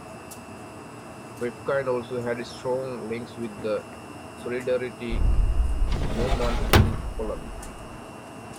Rifkind also had strong links with the Solidarity movement in Poland.